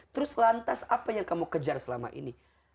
terus lantas apa yang kamu kejar selama ini